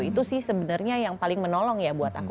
itu sih sebenarnya yang paling menolong ya buat aku